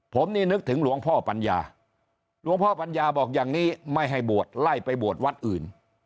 ผมนี่นึกถึงหลวงพ่อปัญญาหลวงพ่อปัญญาบอกอย่างนี้ไม่ให้บวชไล่ไปบวชวัดอื่น